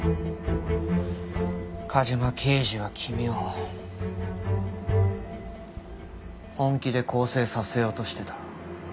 梶間刑事は君を本気で更生させようとしてた。